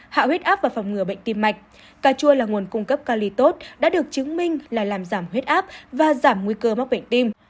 hạ huyết áp và phòng ngừa bệnh tim mạch cà chua là nguồn cung cấp ca ly tốt đã được chứng minh là làm giảm huyết áp và giảm nguy cơ mắc bệnh tim